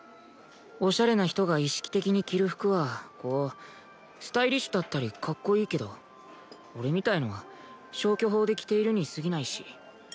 オシャレな人が意識的に着る服はこうスタイリッシュだったりかっこいいけど俺みたいのは消去法で着ているにすぎないし。